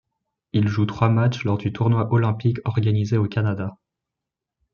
Il joue trois matchs lors du tournoi olympique organisé au Canada.